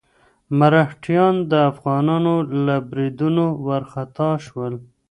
مرهټیان د افغانانو له بريدونو وارخطا شول.